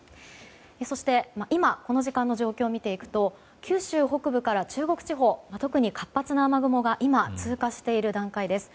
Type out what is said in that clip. そして、今この時間の状況を見ていくと九州北部から中国地方には特に活発な雨雲が今、通過している段階です。